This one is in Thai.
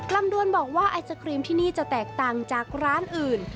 ดวนบอกว่าไอศครีมที่นี่จะแตกต่างจากร้านอื่น